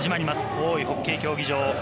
大井ホッケー競技場。